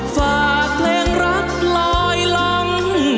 ฝากเพลงรักลอยลัง